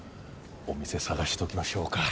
お店探しときましょうか。